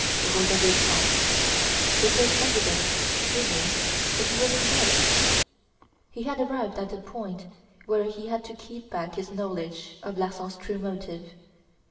Rouletabille coughed. It was evident to me that he was embarrassed. He had arrived at a point where he had to keep back his knowledge of Larsan's true motive.